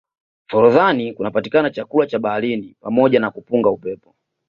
forodhani kunapatikana chakula cha baharini pamoja na kupunga upepo